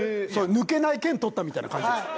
抜けない剣取ったみたいな感じでした。